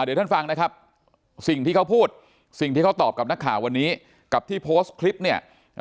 เดี๋ยวท่านฟังนะครับสิ่งที่เขาพูดสิ่งที่เขาตอบกับนักข่าววันนี้กับที่โพสต์คลิปเนี่ย